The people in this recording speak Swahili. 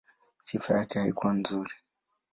Sifa yake haikuwa nzuri.